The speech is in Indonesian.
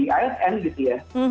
di asn gitu ya